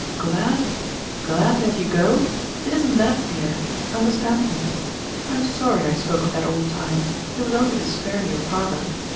"Glad? Glad to have you go? It isn't that, dear. Understand me. I'm sorry I spoke of that old time. It was only to spare your father.